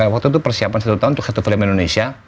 waktu itu persiapan satu tahun untuk satu film indonesia